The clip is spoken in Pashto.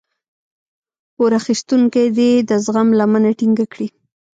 پور اخيستونکی دې د زغم لمنه ټينګه کړي.